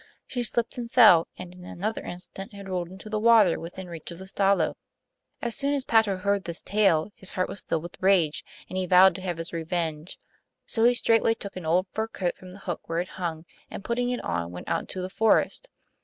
She slipped and fell, and in another instant had rolled into the water within reach of the Stalo. As soon as Patto heard this tale his heart was filled with rage, and he vowed to have his revenge. So he straightway took an old fur coat from the hook where it hung, and putting it on went out into the forest.